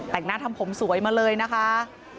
แต่งหน้าทำผมสวยมาเลยนะคะ